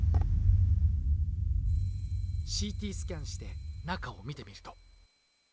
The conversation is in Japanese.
ＣＴスキャンして中を見てみると。